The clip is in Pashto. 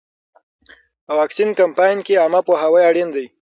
په واکسین کمپاین کې عامه پوهاوی اړین دی.